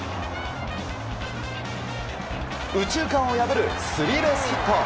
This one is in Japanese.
右中間を破るスリーベースヒット。